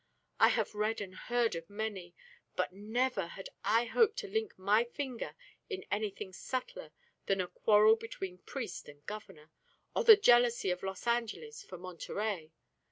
I have read and heard of many, but never had I hoped to link my finger in anything subtler than a quarrel between priest and Governor, or the jealousy of Los Angeles for Monterey.